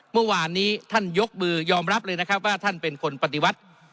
เมื่อวานนี้ท่านยกมือยอมรับเลยนะครับว่าท่านเป็นคนปฏิวัติ